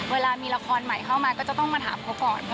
เวลามีละครใหม่เข้ามาก็จะต้องมาถามเขาก่อน